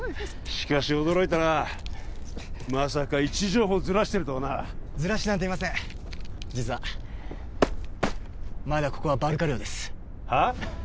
しかし驚いたなまさか位置情報をずらしてるとはなずらしてなんていません実はまだここはバルカ領ですはっ？